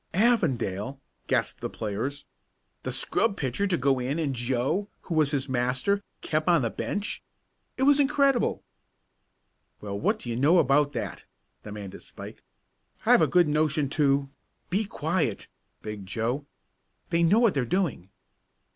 "Avondale!" gasped the players. The scrub pitcher to go in and Joe, who was his master, kept on the bench? It was incredible. "Well, what do you know about that?" demanded Spike. "I've a good notion to " "Be quiet!" begged Joe. "They know what they're doing."